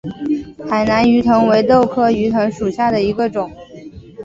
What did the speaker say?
海南鱼藤为豆科鱼藤属下的一个种。